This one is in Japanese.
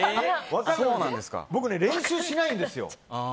僕ね練習しないんですよ。